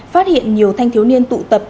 phát hiện nhiều thanh thiếu niên tụ tập